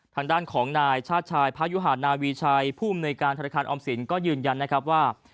ทางด้านของนายชาติชายพระยุหานาวีชัยผู้อำนวยการธนาคารออมสินก็ยืนยันนะครับว่า